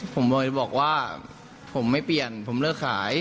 ผมบอยบอกว่าผมไม่เปลี่ยนผมเลิกขาย